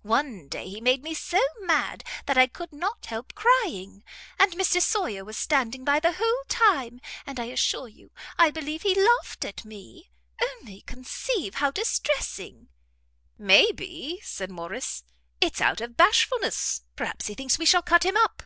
One day he made me so mad, that I could not help crying; and Mr Sawyer was standing by the whole time! and I assure you I believe he laughed at me. Only conceive how distressing!" "May be," said Morrice, "it's out of bashfulness perhaps he thinks we shall cut him up."